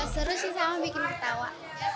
seru sih sama bikin tertawa